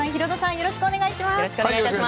よろしくお願いします。